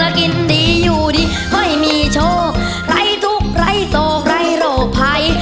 กินดีอยู่ดีไม่มีโชคไร้ทุกข์ไร้โศกไร้โรคภัย